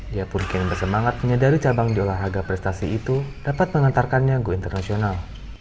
dia pun kini bersemangat menyadari cabang di olahraga prestasi itu dapat mengantarkannya go internasional